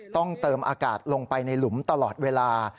ต้องเติมอากาศลงไปในหลุมตลอดเวลา